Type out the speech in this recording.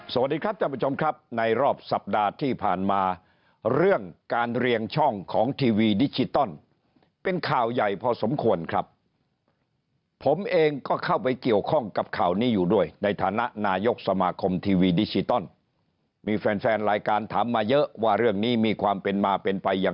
สวัสดีครับท่านผู้ชมครับในรอบสัปดาห์ที่ผ่านมาเรื่องการเรียงช่องของทีวีดิจิตอลเป็นข่าวใหญ่พอสมควรครับผมเองก็เข้าไปเกี่ยวข้องกับข่าวนี้อยู่ด้วยในฐานะนายกสมาคมทีวีดิจิตอลมีแฟนแฟนรายการถามมาเยอะว่าเรื่องนี้มีความเป็นมาเป็นไปอย่าง